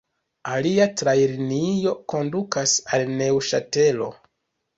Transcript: Alia trajnlinio kondukas al Neŭŝatelo.